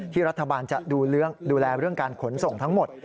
รัฐบาลจะดูแลเรื่องการขนส่งทั้งหมด